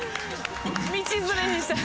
道連れにして。